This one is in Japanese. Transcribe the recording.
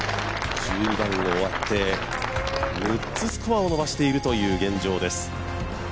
１２番を終わって６つスコアを伸ばしているという現状です。